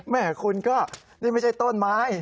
แม่คุณก็นี่ไม่ใช่ต้นไม้